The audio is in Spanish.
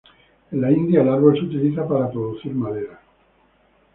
En la India, el árbol se utiliza para producir madera.